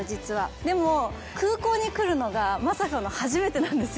でも、空港に来るのがまさかの初めてなんですよ。